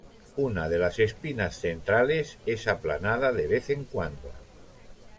Una de las espinas centrales es aplanada de vez en cuando.